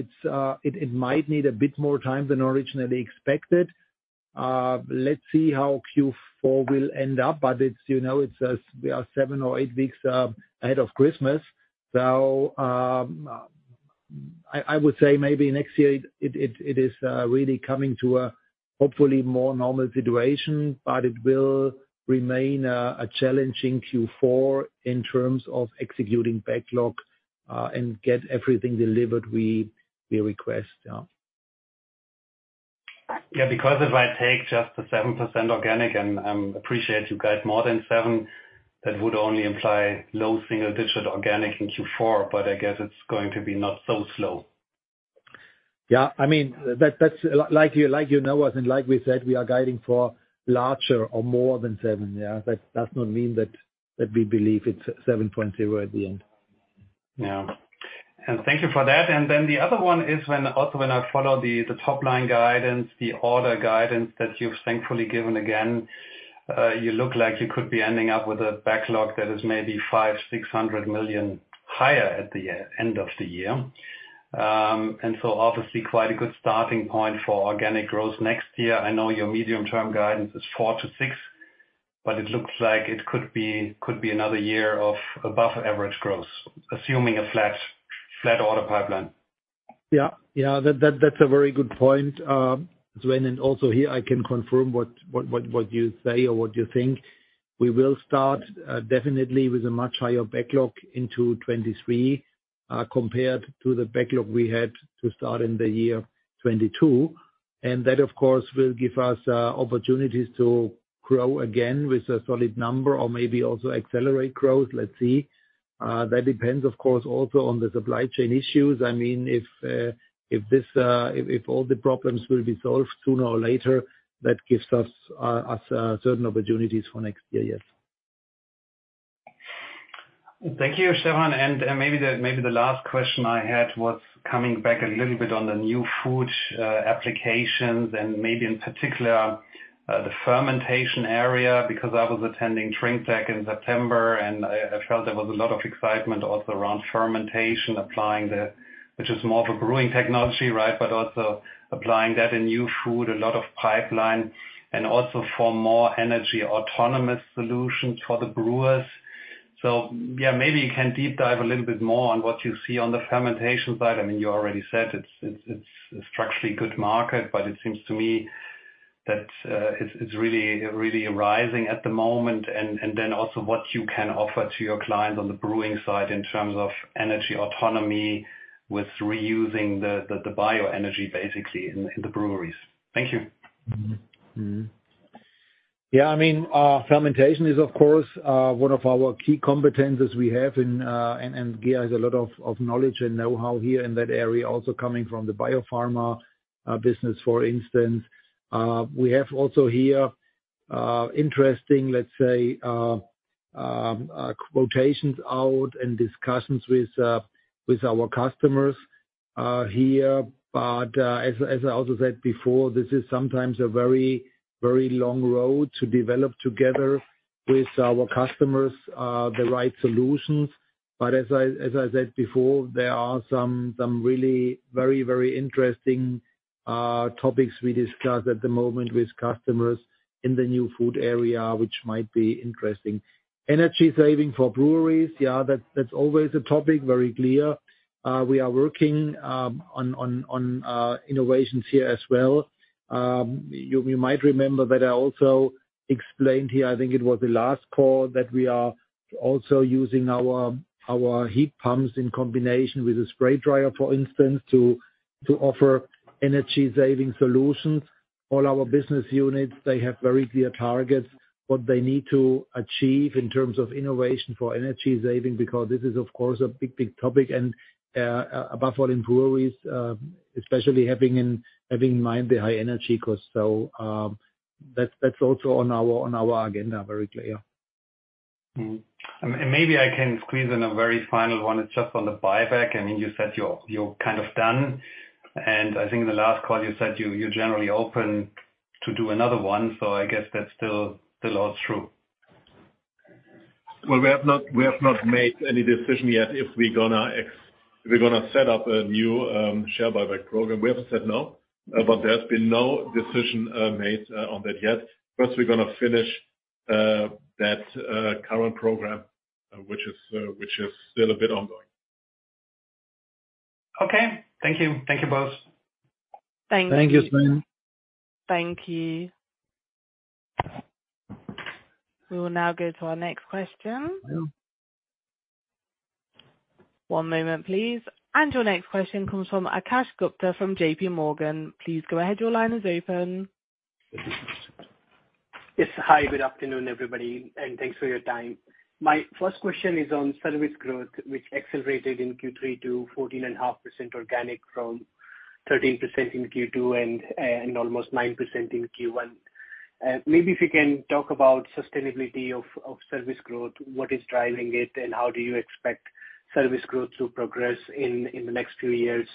it might need a bit more time than originally expected. Let's see how Q4 will end up, but it's, you know, we are seven or eight weeks ahead of Christmas. I would say maybe next year it is really coming to a, hopefully, more normal situation. It will remain a challenging Q4 in terms of executing backlog and get everything delivered we request, yeah. Yeah, because if I take just the 7% organic, and I appreciate your guidance more than seven, that would only imply low single-digit organic in Q4. I guess it's going to be not so slow. Yeah. I mean, that's like you know us and like we said, we are guiding for larger or more than seven, yeah? That does not mean that we believe it's 7.0 at the end. Thank you for that. The other one is when I follow the top line guidance, the order guidance that you've thankfully given again, you look like you could be ending up with a backlog that is maybe 500 million-600 million higher at the end of the year. Obviously quite a good starting point for organic growth next year. I know your medium-term guidance is 4%-6%, but it looks like it could be another year of above average growth, assuming a flat order pipeline. Yeah. That's a very good point, Sven. Also here I can confirm what you say or what you think. We will start definitely with a much higher backlog into 2023, compared to the backlog we had to start in the year 2022. That, of course, will give us opportunities to grow again with a solid number or maybe also accelerate growth. Let's see. That depends, of course, also on the supply chain issues. I mean, if this, if all the problems will be solved sooner or later, that gives us certain opportunities for next year. Yes. Thank you, Stefan. Maybe the last question I had was coming back a little bit on the New Food applications and maybe in particular the fermentation area, because I was attending drinktec in September, and I felt there was a lot of excitement also around fermentation, applying, which is more of a brewing technology, right? But also applying that in New Food, a lot of pipeline, and also for more energy autonomous solutions for the brewers. Yeah, maybe you can deep dive a little bit more on what you see on the fermentation side. I mean, you already said it's a structurally good market, but it seems to me that it's really rising at the moment. Also what you can offer to your clients on the brewing side in terms of energy autonomy with reusing the bioenergy basically in the breweries. Thank you. Yeah, I mean, fermentation is of course one of our key competencies we have in and GEA has a lot of knowledge and know-how here in that area also coming from the biopharma business, for instance. We have also here interesting, let's say, quotations out and discussions with our customers here. As I also said before, this is sometimes a very long road to develop together with our customers the right solutions. As I said before, there are some really very interesting topics we discuss at the moment with customers in the New Food area, which might be interesting. Energy saving for breweries. Yeah, that's always a topic, very clear. We are working on innovations here as well. You might remember that I also explained here, I think it was the last call, that we are also using our heat pumps in combination with a spray dryer, for instance, to offer energy-saving solutions. All our business units, they have very clear targets, what they need to achieve in terms of innovation for energy saving, because this is of course a big, big topic and, above all in breweries, especially having in mind the high energy costs. That's also on our agenda. Very clear. Mm-hmm. Maybe I can squeeze in a very final one. It's just on the buyback. I mean, you said you're kind of done. I think in the last call you said you're generally open to do another one. I guess that's still holds true. Well, we have not made any decision yet if we're gonna set up a new share buyback program. We haven't said no, but there's been no decision made on that yet. First, we're gonna finish that current program, which is still a bit ongoing. Okay. Thank you. Thank you both. Thank you. Thank you, Sven. Thank you. We will now go to our next question. Yeah. One moment, please. Your next question comes from Akash Gupta from JPMorgan. Please go ahead. Your line is open. Yes. Hi, good afternoon, everybody, and thanks for your time. My first question is on service growth, which accelerated in Q3 to 14.5% organic from 13% in Q2 and almost 9% in Q1. Maybe if you can talk about sustainability of service growth, what is driving it, and how do you expect service growth to progress in the next few years,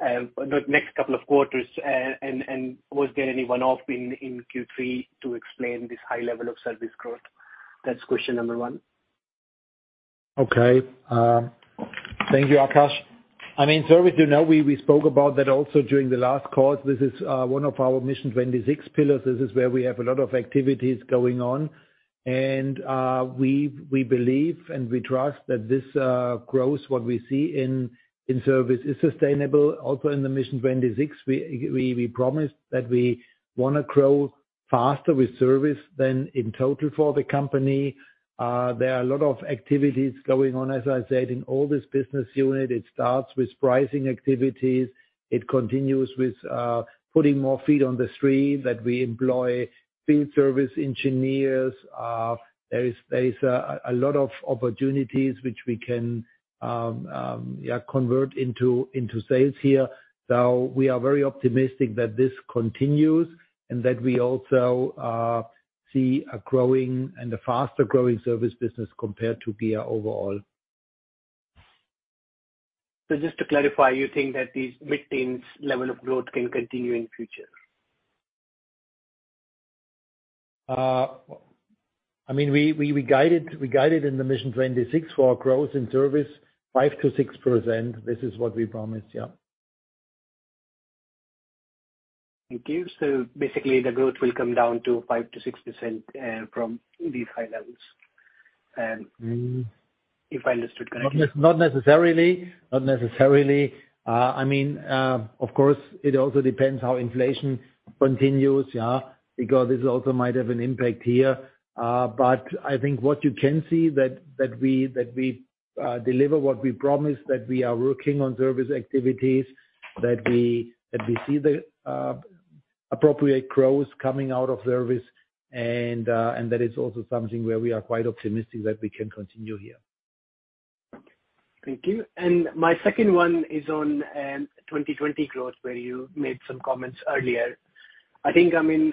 the next couple of quarters? And was there any one-off in Q3 to explain this high level of service growth? That's question number one. Okay. Thank you, Akash. I mean, service, you know, we spoke about that also during the last call. This is one of our Mission 26 pillars. This is where we have a lot of activities going on. We believe and we trust that this growth what we see in service is sustainable. Also in the Mission 26, we promised that we wanna grow faster with service than in total for the company. There are a lot of activities going on, as I said, in all this business unit. It starts with pricing activities. It continues with putting more feet on the street, that we employ field service engineers. There is a lot of opportunities which we can convert into sales here. We are very optimistic that this continues and that we also see a growing and a faster-growing service business compared to GEA overall. Just to clarify, you think that these mid-teens level of growth can continue in future? I mean, we guided in the Mission 26 for our growth in services 5%-6%. This is what we promised. Yeah. Thank you. Basically, the growth will come down to 5%-6% from these high levels. Mm. If I understood correctly. Not necessarily. I mean, of course, it also depends how inflation continues, yeah. Because this also might have an impact here. I think what you can see that we deliver what we promised, that we are working on service activities, that we see the appropriate growth coming out of service and that is also something where we are quite optimistic that we can continue here. Thank you. My second one is on 2020 growth where you made some comments earlier. I think, I mean,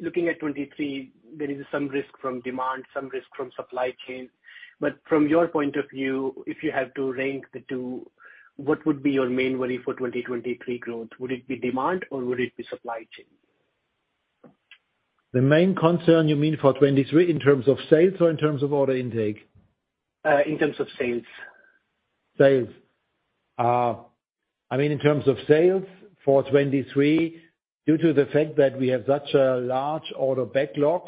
looking at 2023, there is some risk from demand, some risk from supply chain. But from your point of view, if you had to rank the two, what would be your main worry for 2023 growth? Would it be demand or would it be supply chain? The main concern you mean for 2023 in terms of sales or in terms of order intake? In terms of sales. Sales. I mean, in terms of sales for 2023, due to the fact that we have such a large order backlog,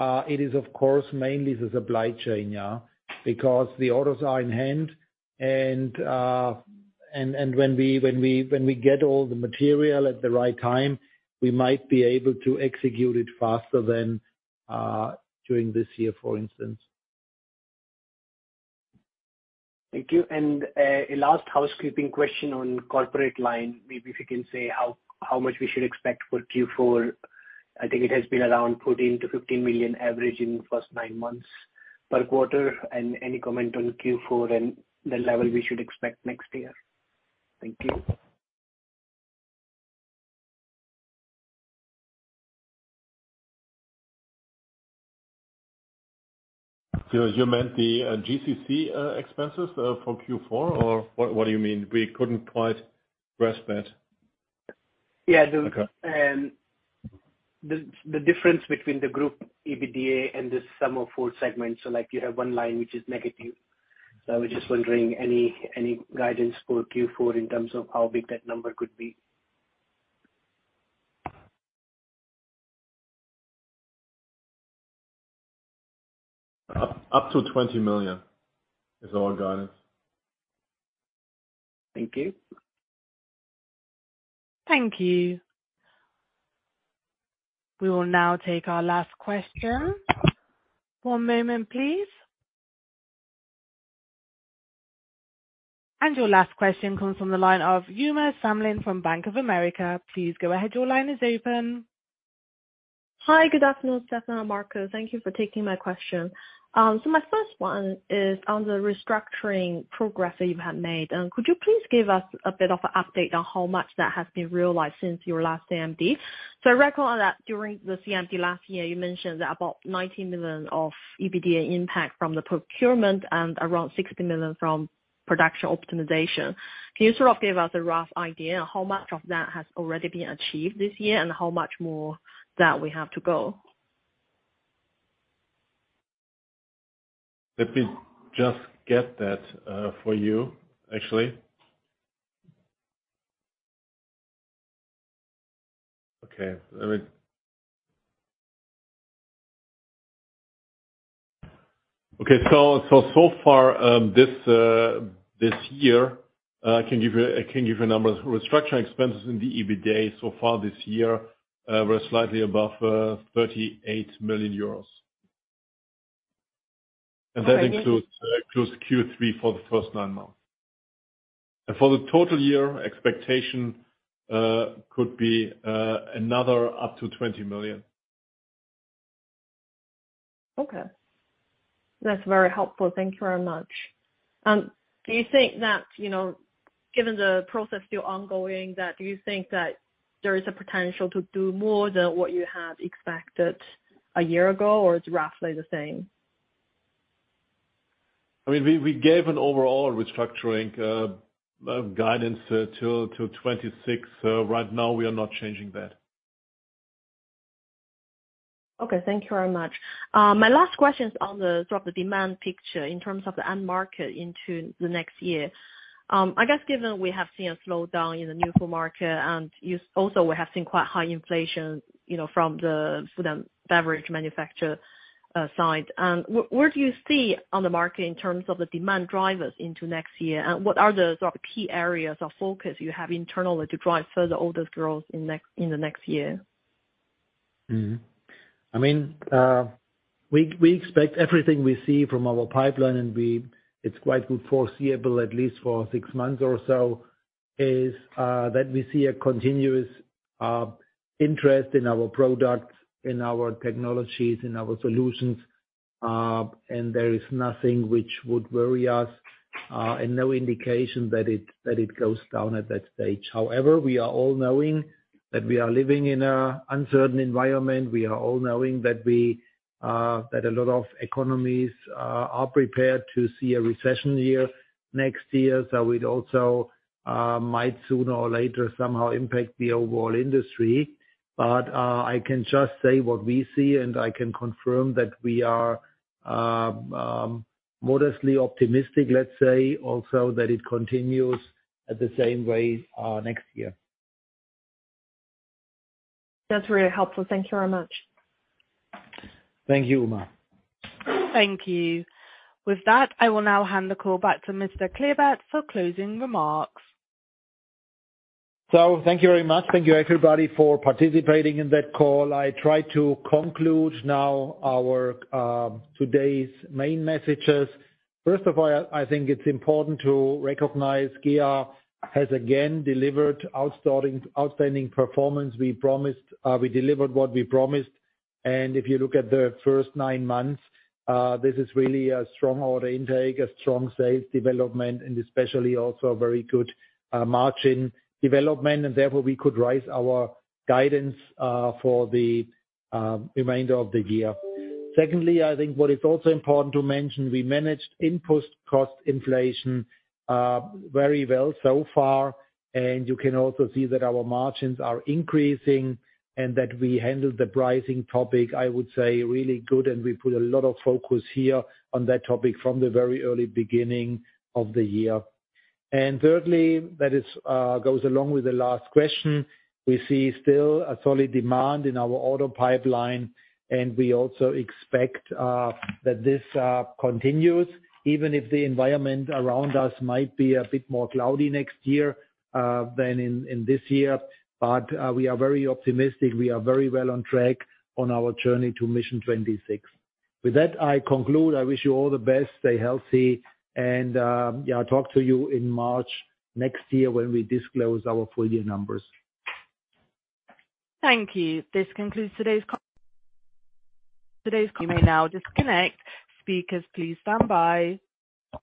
it is of course mainly the supply chain, yeah. Because the orders are in hand and when we get all the material at the right time, we might be able to execute it faster than during this year, for instance. Thank you. A last housekeeping question on corporate line. Maybe if you can say how much we should expect for Q4. I think it has been around 14 million-15 million average in the first nine months per quarter. Any comment on Q4 and the level we should expect next year? Thank you. You meant the GCC expenses for Q4 or what do you mean? We couldn't quite grasp that. Yeah. Okay. The difference between the group EBITDA and the sum of four segments. Like you have one line which is negative. I was just wondering any guidance for Q4 in terms of how big that number could be. Up to 20 million is our guidance. Thank you. Thank you. We will now take our last question. One moment please. Your last question comes from the line of Uma Samlin from Bank of America. Please go ahead. Your line is open. Hi. Good afternoon, Stefan and Marcus. Thank you for taking my question. My first one is on the restructuring progress that you have made. Could you please give us a bit of an update on how much that has been realized since your last CMD? I recall that during the CMD last year, you mentioned about 90 million of EBITDA impact from the procurement and around 60 million from production optimization. Can you sort of give us a rough idea on how much of that has already been achieved this year, and how much more that we have to go? Let me just get that for you actually. Okay. So far this year, I can give you a number. Restructuring expenses in the EBITDA so far this year were slightly above EUR 38 million. Okay. That includes Q3 for the first nine months. For the total year expectation, could be another up to 20 million. Okay. That's very helpful. Thank you very much. Do you think that, you know, given the process still ongoing, there is a potential to do more than what you had expected a year ago or it's roughly the same? I mean, we gave an overall restructuring guidance till 2026. Right now we are not changing that. Okay. Thank you very much. My last question is on the sort of the demand picture in terms of the end market into the next year. I guess given we have seen a slowdown in the new build market and also we have seen quite high inflation, you know, from the food and beverage manufacturer side. Where do you see on the market in terms of the demand drivers into next year? And what are the sort of key areas of focus you have internally to drive further orders growth in the next year? I mean, we expect everything we see from our pipeline, and it's quite good foreseeable at least for six months or so, is that we see a continuous interest in our products, in our technologies, in our solutions. There is nothing which would worry us, and no indication that it goes down at that stage. However, we are all knowing that we are living in an uncertain environment. We are all knowing that a lot of economies are prepared to see a recession year next year. It also might sooner or later somehow impact the overall industry. I can just say what we see, and I can confirm that we are modestly optimistic, let's say, also that it continues at the same way next year. That's really helpful. Thank you very much. Thank you, Uma. Thank you. With that, I will now hand the call back to Mr. Klebert for closing remarks. Thank you very much. Thank you, everybody, for participating in that call. I try to conclude now our today's main messages. First of all, I think it's important to recognize GEA has again delivered outstanding performance. We delivered what we promised. If you look at the first nine months, this is really a strong order intake, a strong sales development, and especially also a very good margin development, and therefore we could raise our guidance for the remainder of the year. Secondly, I think what is also important to mention, we managed input cost inflation very well so far, and you can also see that our margins are increasing and that we handled the pricing topic, I would say, really good, and we put a lot of focus here on that topic from the very early beginning of the year. Thirdly, that goes along with the last question. We see still a solid demand in our order pipeline, and we also expect that this continues even if the environment around us might be a bit more cloudy next year than in this year. We are very optimistic. We are very well on track on our journey to Mission 26. With that, I conclude. I wish you all the best. Stay healthy and, yeah, I'll talk to you in March next year when we disclose our full year numbers. Thank you. This concludes today's call. You may now disconnect. Speakers, please stand by.